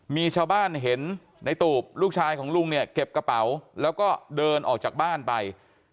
มีชาวบ้านเห็นในตูบลูกชายของลุงเนี่ยเก็บกระเป๋าแล้วก็เดินออกจากบ้านไป